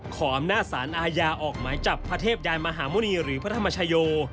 ขออำนาจสารอาญาออกหมายจับพระเทพยานมหาหมุณีหรือพระธรรมชโย